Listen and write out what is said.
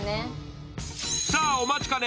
さあ、お待ちかね。